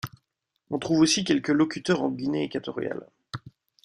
On trouve aussi quelques locuteurs en Guinée équatoriale.